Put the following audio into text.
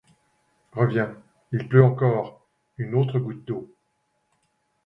Revient ; il pleut encore ; une autre goutte d’eau